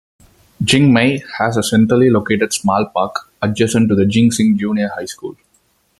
Jingmei has a centrally located small park, adjacent to JingSing Junior High-School.